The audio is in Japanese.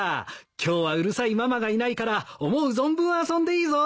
今日はうるさいママがいないから思う存分遊んでいいぞ。